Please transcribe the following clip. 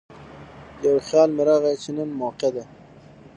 نو خيال مې راغے چې نن موقع ده ـ